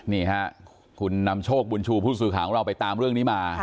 นี่ค่ะคุณนำโชคบุญชูผู้สื่อข่าวของเราไปตามเรื่องนี้มา